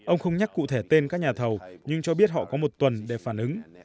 ông không nhắc cụ thể tên các nhà thầu nhưng cho biết họ có một tuần để phản ứng